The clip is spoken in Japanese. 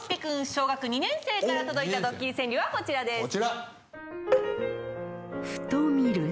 小学２年生から届いたドッキリ川柳はこちらです。